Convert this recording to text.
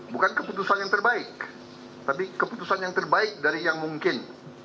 bukan keputusan yang terbaik tapi keputusan yang terbaik dari yang mungkin